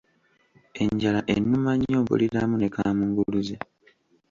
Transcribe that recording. Enjala ennuma nnyo mpuliramu ne kamunguluze.